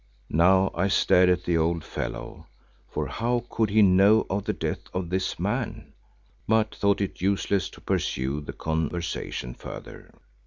Now I stared at the old fellow, for how could he know of the death of this man, but thought it useless to pursue the conversation further.